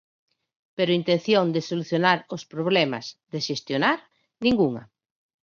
Pero intención de solucionar os problemas, de xestionar, ningunha.